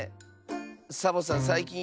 サボさんさいきん